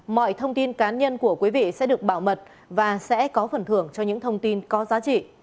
mọi thông tin cá nhân của quý vị sẽ được bảo mật và sẽ có phần thưởng cho những thông tin có giá trị